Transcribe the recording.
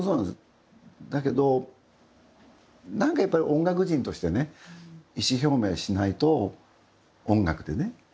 だけど、なんかやっぱり音楽人としてね。意思表明しないと音楽でね。